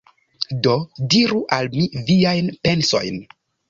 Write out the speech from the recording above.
Do, diru al mi viajn pensojn